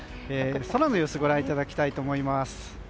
空の様子ご覧いただきたいと思います。